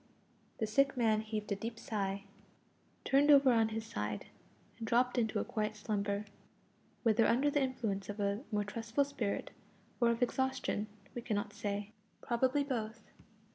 The sick man heaved a deep sigh, turned over on his side, and dropped into a quiet slumber whether under the influence of a more trustful spirit or of exhaustion we cannot say probably both.